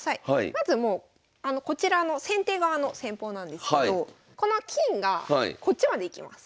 まずもうこちらの先手側の戦法なんですけどこの金がこっちまで行きます。